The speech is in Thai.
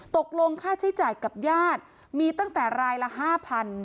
ตกลงค่าใช้จ่ายกับญาติมีตั้งแต่รายละห้าพัน